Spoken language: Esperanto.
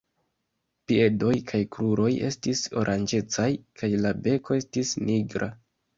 Piedoj kaj kruroj estis oranĝecaj kaj la beko estis nigra.